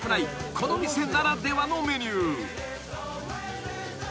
この店ならではのメニュー］